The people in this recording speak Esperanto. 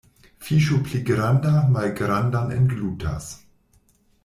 Fiŝo pli granda malgrandan englutas.